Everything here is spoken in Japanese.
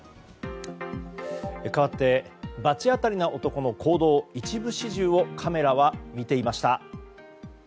かわって罰当たりな男の行動の一部始終をカメラは見ていました。